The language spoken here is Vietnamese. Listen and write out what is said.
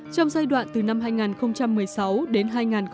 trong giai đoạn từ năm hai nghìn một mươi sáu đến hai nghìn hai mươi